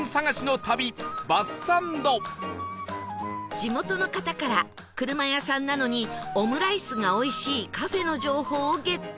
地元の方から車屋さんなのにオムライスがおいしいカフェの情報をゲット